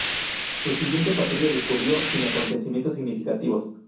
Su siguiente patrulla discurrió sin acontecimientos significativos.